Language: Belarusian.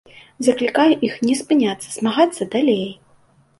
Заклікаю іх не спыняцца, змагацца далей!